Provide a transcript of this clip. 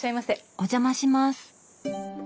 お邪魔します。